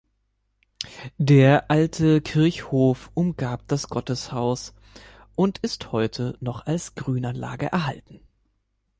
Der alte Kirchhof umgab das Gotteshaus und ist heute noch als Grünanlage erhalten.